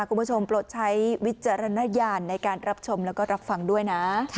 คุณผู้ชมโปรดใช้วิจารณญาณในการรับชมและรับฟังด้วยนะ